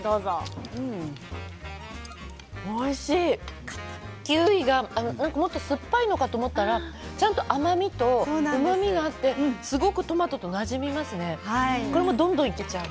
おいしいキウイがもっと酸っぱいのかと思ったら、ちゃんと甘みとうまみがあってすごくなじみますね、どんどんいけちゃう。